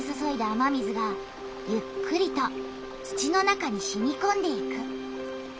雨水がゆっくりと土の中にしみこんでいく。